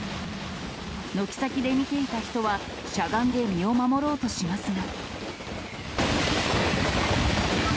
軒先で見ていた人は、しゃがんで身を守ろうとしますが。